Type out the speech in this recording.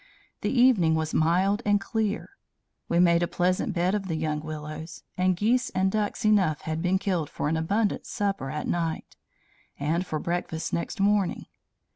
The evening was mild and clear; we made a pleasant bed of the young willows; and geese and ducks enough had been killed for an abundant supper at night, and for breakfast next morning.